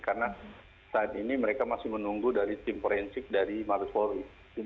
karena saat ini mereka masih menunggu dari tim forensik dari marus polri